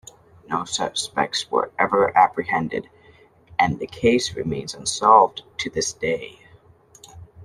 No suspects were ever apprehended, and the case remains unsolved to this day.